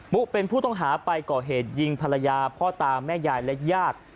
เป็นผู้ต้องหาไปก่อเหตุยิงภรรยาพ่อตาแม่ยายและญาติ